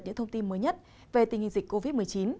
những thông tin mới nhất về tình hình dịch covid một mươi chín